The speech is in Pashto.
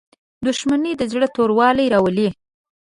• دښمني د زړه توروالی راولي.